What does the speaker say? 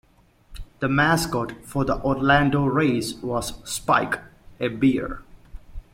The mascot for the Orlando Rays was "Spike", a bear.